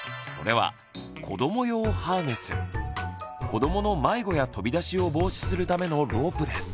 子どもの迷子や飛び出しを防止するためのロープです。